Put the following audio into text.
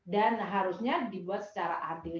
dan harusnya dibuat secara adil